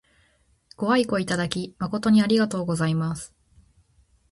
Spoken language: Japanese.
ご愛顧いただき誠にありがとうございます。